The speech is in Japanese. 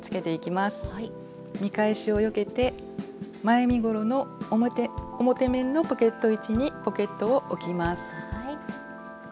見返しをよけて前身ごろの表面のポケット位置にポケットを置きます。